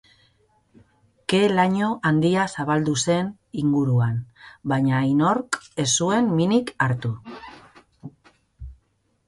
Ke laino handia zabaldu zen inguruan, baina inork ez zuen minik hartu.